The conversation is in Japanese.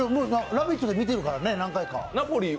「ラヴィット！」で見てるからね、何回か。